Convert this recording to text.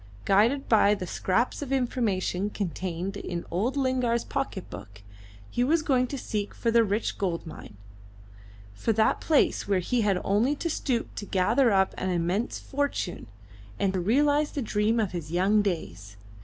Guided by the scraps of information contained in old Lingard's pocket book, he was going to seek for the rich gold mine, for that place where he had only to stoop to gather up an immense fortune and realise the dream of his young days.